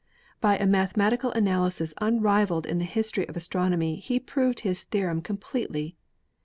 By a mathematical analysis unrivaled in the history of astronomy he proved his theorem com pletely.